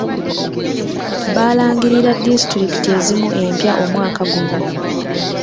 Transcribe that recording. Baalangirira disitulikiti ezimu empya omwaka guno.